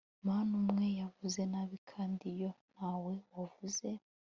Mana umwe yavuze nabi kandi iyo ntawe wavuze